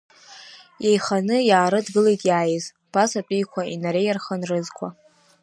Иеиханы иаарыдгылеит иааиз, ԥасатәиқәа инареиархан рызқәа.